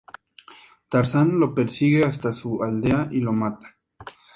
Tarzán lo persigue hasta su aldea y lo mata.